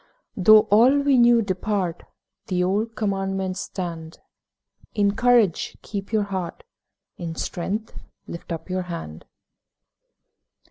Though all we knew depart, The old Commandments stand: 'In courage keep your heart, In strength lift up your hand.'